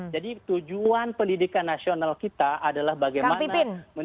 jadi tujuan pendidikan nasional kita adalah bagaimana